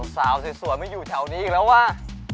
สาวสวยไม่อยู่แถวนี้อีกแล้วว่ะ